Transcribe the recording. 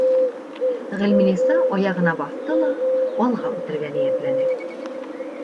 Ғилминиса аяғына баҫты ла алға үтергә ниәтләне.